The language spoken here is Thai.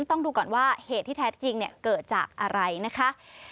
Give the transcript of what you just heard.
ต้องดูก่อนว่าเหตุที่แท้จริงเกิดจากอะไรนะคะ